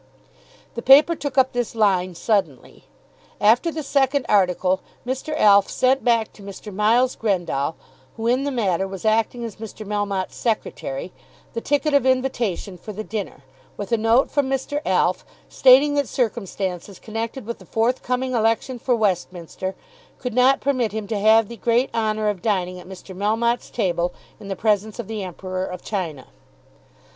The paper took up this line suddenly. After the second article Mr. Alf sent back to Mr. Miles Grendall, who in the matter was acting as Mr. Melmotte's secretary, the ticket of invitation for the dinner, with a note from Mr. Alf stating that circumstances connected with the forthcoming election for Westminster could not permit him to have the great honour of dining at Mr. Melmotte's table in the presence of the Emperor of China.